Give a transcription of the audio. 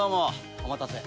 お待たせ。